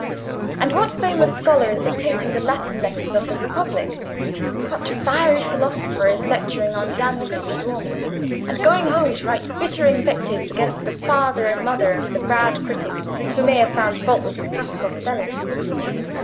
And what famous scholar is dictating the Latin letters of the Republic—what fiery philosopher is lecturing on Dante in the Duomo, and going home to write bitter invectives against the father and mother of the bad critic who may have found fault with his classical spelling?